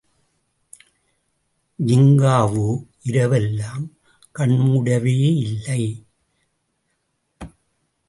ஜின்காவோ இரவெல்லாம் கண்மூடவேயில்லை.